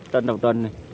trên đầu tuần